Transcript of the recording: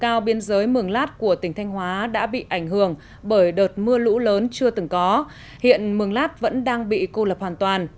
cao biên giới mường lát của tỉnh thanh hóa đã bị ảnh hưởng bởi đợt mưa lũ lớn chưa từng có hiện mường lát vẫn đang bị cô lập hoàn toàn